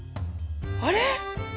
あれ？